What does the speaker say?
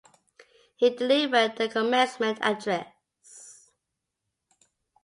He delivered the commencement address.